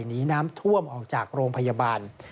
หนีน้ำท่วมออกจากโรงพยาบาล